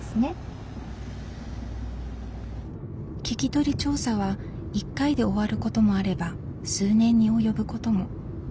聞き取り調査は１回で終わることもあれば数年に及ぶことも。